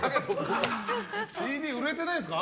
ＣＤ、売れてないんですか？